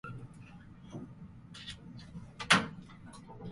「助けて」と言える人，そう言える相手がいる人は，それだけで十分強いのである．